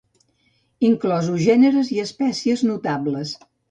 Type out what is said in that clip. Inclosos gèneres i espècies notables.